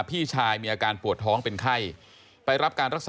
พี่ชายมีอาการปวดท้องเป็นไคร้